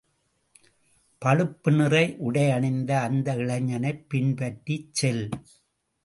பழுப்புநிற உடையணிந்த அந்த இளைஞனைப் பின்பற்றிச் செல்.